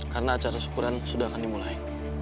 karena acara syukuran sudah akan dimulai